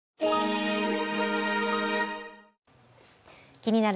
「気になる！